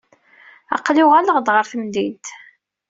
Aql-i uɣaleɣ-d ɣer temdint.